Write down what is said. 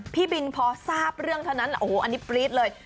พี่บินพอทราบเรื่องเท่านั้นโอ้โหอันนี้ปรี๊ดเลย